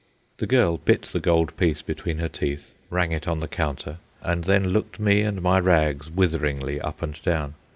The girl bit the gold piece between her teeth, rang it on the counter, and then looked me and my rags witheringly up and down.